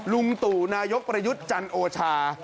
ลุงตู่นายกประยุทธ์จันโอชา